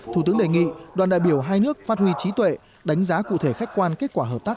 thủ tướng đề nghị đoàn đại biểu hai nước phát huy trí tuệ đánh giá cụ thể khách quan kết quả hợp tác